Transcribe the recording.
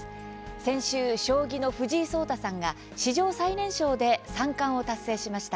先週、将棋の藤井聡太さんが史上最年少で三冠を達成しました。